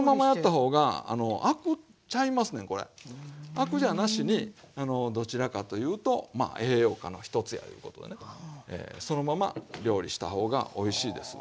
アクじゃなしにどちらかというとまあ栄養価の一つやいうことでねそのまま料理した方がおいしいですわ。